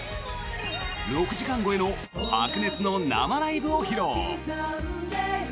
６時間超えの白熱の生ライブを披露！